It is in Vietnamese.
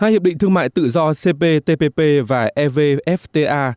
hai hiệp định thương mại tự do cptpp và evfta